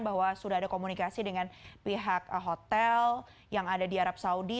bahwa sudah ada komunikasi dengan pihak hotel yang ada di arab saudi